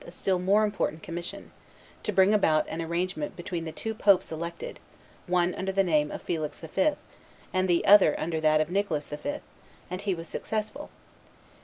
a still more important commission, to bring about an arrangement between the two popes elected, one under the name of Felix V., and the other under that of Nicholas V.; and he was successful.